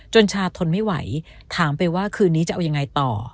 ชาทนไม่ไหวถามไปว่าคืนนี้จะเอายังไงต่อ